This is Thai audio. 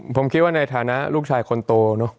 ผมคิดว่าในฐานะลูกชายคนโตเนอะ